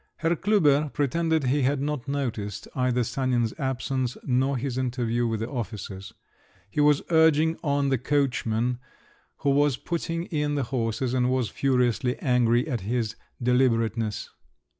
Herr Klüber pretended he had not noticed either Sanin's absence nor his interview with the officers; he was urging on the coachman, who was putting in the horses, and was furiously angry at his deliberateness.